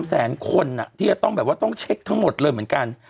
๓แสนคนต้องเช็คทั้งหมดเลยเหมือนกัน